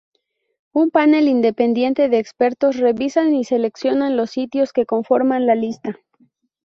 Un panel independiente de expertos revisan y seleccionan los sitios que conforman la lista.